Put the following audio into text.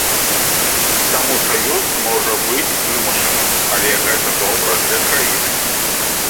Таму саюз можа быць вымушаным, але гэта добра для краіны.